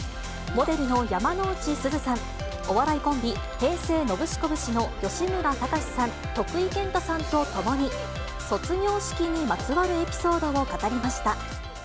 モデルの山之内すずさん、お笑いコンビ、平成ノブシコブシの吉村崇さん、徳井健太さんと共に、卒業式にまつわるエピソードを語りました。